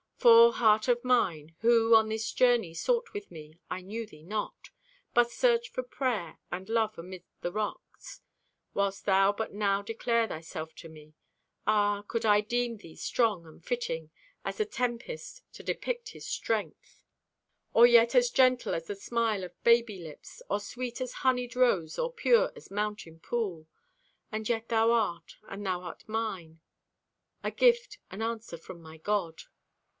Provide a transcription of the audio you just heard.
For, heart of mine, who on this journey Sought with me, I knew thee not, But searched for prayer and love amid the rocks Whilst thou but now declare thyself to me. Ah, could I deem thee strong and fitting As the tempest to depict His strength; Or yet as gentle as the smile of baby lips, Or sweet as honeyed rose or pure as mountain pool? And yet thou art, and thou art mine— A gift and answer from my God.